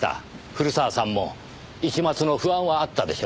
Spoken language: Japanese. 古澤さんも一抹の不安はあったでしょう。